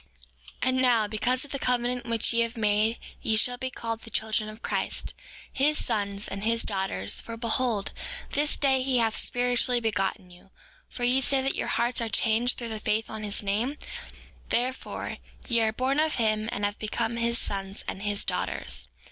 5:7 And now, because of the covenant which ye have made ye shall be called the children of Christ, his sons, and his daughters; for behold, this day he hath spiritually begotten you; for ye say that your hearts are changed through faith on his name; therefore, ye are born of him and have become his sons and his daughters.